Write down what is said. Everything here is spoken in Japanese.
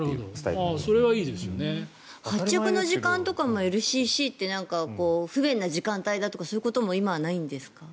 発着の時間とかもＬＣＣって不便な時間帯とかそういうことは今はないんですか？